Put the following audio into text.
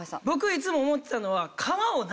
僕いつも思ってたのは。